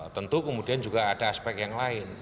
tentu kemudian juga ada aspek yang lain